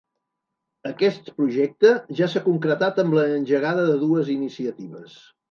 Aquest projecte ja s’ha concretat amb l’engegada de dues iniciatives.